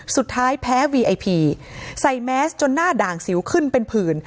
สุดท้ายแพ้วีไอพีใส่แมสจนหน้าด่างสิวขึ้นเป็นผื่น